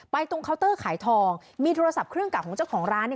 ตรงเคาน์เตอร์ขายทองมีโทรศัพท์เครื่องกลับของเจ้าของร้านเนี่ย